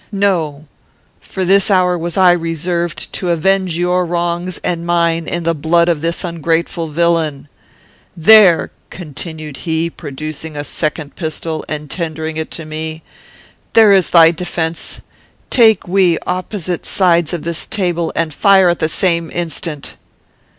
"'No. For this hour was I reserved; to avenge your wrongs and mine in the blood of this ungrateful villain.' "'There,' continued he, producing a second pistol, and tendering it to me, 'there is thy defence. Take we opposite sides of this table, and fire at the same instant.'